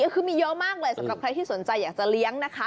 คือมีเยอะมากเลยสำหรับใครที่สนใจอยากจะเลี้ยงนะคะ